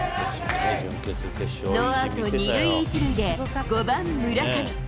ノーアウト２塁１塁で５番村上。